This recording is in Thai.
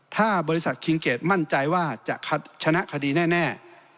ถ้าบริษัทคิงเกดมั่นใจว่าจะชนะคดีแน่